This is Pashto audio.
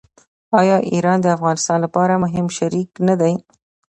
آیا ایران د افغانستان لپاره مهم شریک نه دی؟